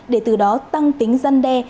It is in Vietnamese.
để từ đó tăng tính răn đe